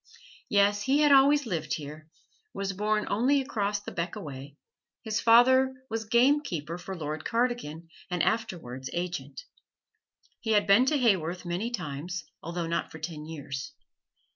Yes, he had always lived here, was born only across the beck away his father was gamekeeper for Lord Cardigan, and afterwards agent. He had been to Haworth many times, although not for ten years.